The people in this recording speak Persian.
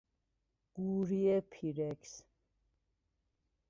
قوری پیرکس